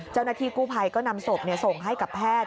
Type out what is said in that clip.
เจ้าหน้าที่กู้ภัยก็นำศพส่งให้กับแพทย์